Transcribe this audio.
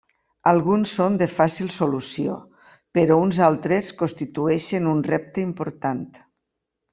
Alguns són de fàcil solució, però uns altres constitueixen un repte important.